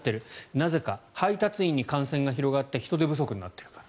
なぜか、配達員に感染が広がって人手不足になっているから。